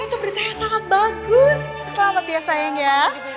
itu berita yang sangat bagus selamat ya sayang ya